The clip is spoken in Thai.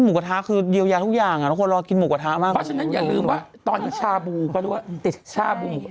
หมูกระทะอยู่เวียวทุกอย่างเพราะที่ตอนนี้ชาบู